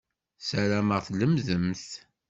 Sarameɣ tlemmdemt.